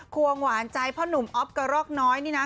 วงหวานใจพ่อหนุ่มอ๊อฟกระรอกน้อยนี่นะ